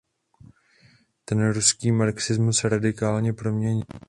Ten ruský marxismus radikálně proměnil.